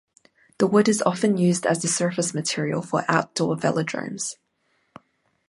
The wood is often used as the surface material for outdoor velodromes.